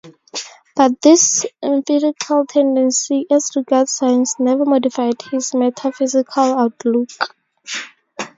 But this empirical tendency as regards science never modified his metaphysical outlook.